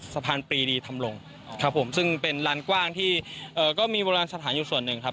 สะพานปรีดีธรรมลงครับผมซึ่งเป็นลานกว้างที่เอ่อก็มีโบราณสถานอยู่ส่วนหนึ่งครับ